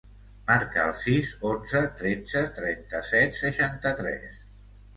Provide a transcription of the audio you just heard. Marca el sis, onze, tretze, trenta-set, seixanta-tres.